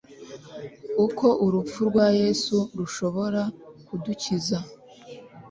uko urupfu rwa yesu rushobora kudukiza